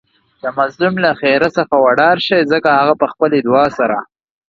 د مظلوم له ښیرا څخه وډار شئ ځکه هغه په خپلې دعاء سره